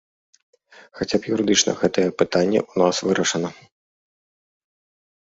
Хаця б юрыдычна гэтае пытанне ў нас вырашана.